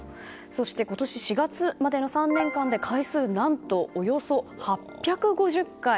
そして、今年４月までの３年間で回数、何とおよそ８５０回。